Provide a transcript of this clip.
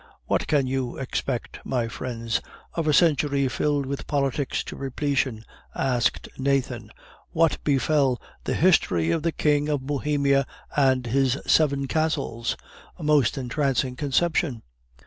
"What can you expect, my friends, of a century filled with politics to repletion?" asked Nathan. "What befell The History of the King of Bohemia and his Seven Castles, a most entrancing conception?..."